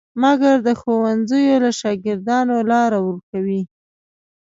مګر د ښوونځیو له شاګردانو لاره ورکوي.